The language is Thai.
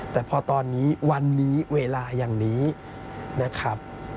แต่พอตอนนี้วันนี้เวลาอย่างนี้นะครับ